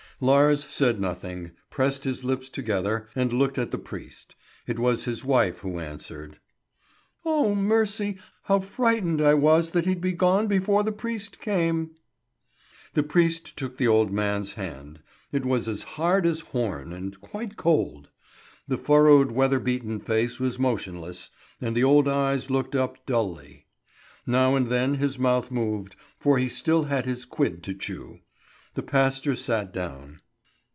Lars said nothing, pressed his lips together, and looked at the priest. It was his wife who answered. "Oh, mercy! How frightened I was that he'd be gone before the priest came!" The priest took the old man's hand. It was as hard as horn, and quite cold. The furrowed, weather beaten face was motionless, and the old eyes looked up dully. Now and then his mouth moved, for he still had his quid to chew. The pastor sat down.